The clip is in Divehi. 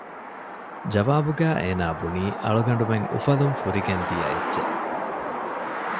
ޖަވާބުގައި އޭނާބުނީ އަޅުގަނޑުމެން އުފަލުން ފުރިގެން ދިޔައެއްޗެއް